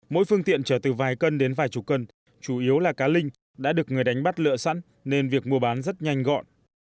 mỗi phương tiện chở từ vài cân đến vài chục cân chủ yếu là cá linh đã được người đánh bắt lựa sẵn nên việc mua bán rất nhanh gọn